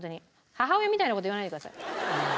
母親みたいな事言わないでください。